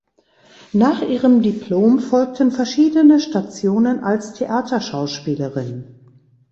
Nach ihrem Diplom folgten verschiedene Stationen als Theaterschauspielerin.